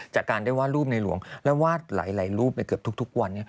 จากการได้วาดรูปในหลวงและวาดหลายรูปในเกือบทุกวัน